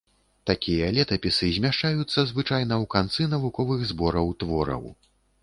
Такія летапісы змяшчаюцца звычайна ў канцы навуковых збораў твораў.